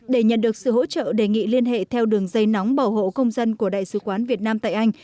để nhận được sự hỗ trợ đề nghị liên hệ theo đường dây nóng bảo hộ công dân của đại sứ quán việt nam tại anh